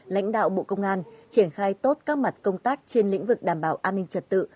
lãnh đạo bộ công an triển khai tốt các mặt công tác trên lĩnh vực đảm bảo an ninh trật tự